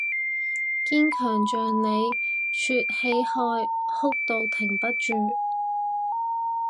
堅強像你，說起愛哭到停不住